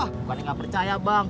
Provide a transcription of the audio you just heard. bukan pria gak percaya bang